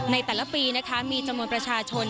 ในแต่ละปีนะคะมีจำนวนประชาชน